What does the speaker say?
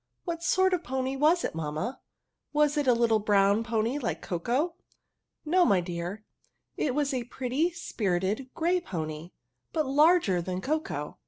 ^' What sort of pony was it, mamma? was it It little brown pony, like Coco?" " No, my dear, it was a pretty, spiritedi gfey peri^i but larger than Coco.!'